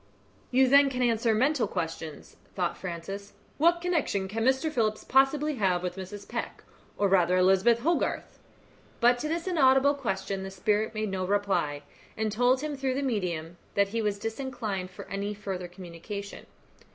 "You then can answer mental questions," thought Francis. "What connection can Mr. Phillips possibly have with Mrs. Peck, or rather Elizabeth Hogarth?" But to this inaudible question the spirit made no reply, and told him, through the medium, that he was disinclined for any further communication.